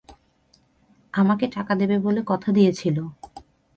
আমাকে টাকা দেবে বলে কথা দিয়েছিল।